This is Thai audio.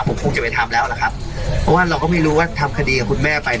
ผมคงจะไปทำแล้วล่ะครับเพราะว่าเราก็ไม่รู้ว่าทำคดีกับคุณแม่ไป